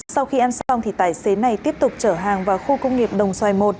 sau khi ăn xong thì tài xế này tiếp tục chở hàng vào khu công nghiệp đồng xoài một